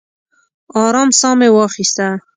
ارام ساه مې واخیسته.